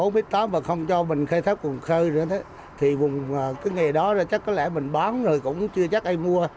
một mươi bốn tám mét và không cho mình khai thác vùng khơi nữa thì vùng nghề đó chắc có lẽ mình bán rồi cũng chưa chắc ai mua